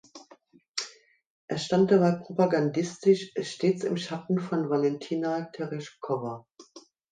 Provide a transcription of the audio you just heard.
Er stand dabei propagandistisch stets im Schatten von Walentina Tereschkowa.